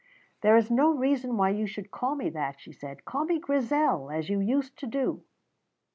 "There is no reason why you should call me that," she said. "Call me Grizel, as you used to do."